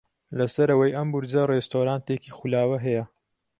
لە سەرەوەی ئەم بورجە ڕێستۆرانتێکی خولاوە هەیە.